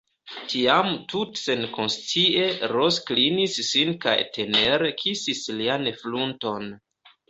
Tiam tute senkonscie Ros klinis sin kaj tenere kisis lian frunton.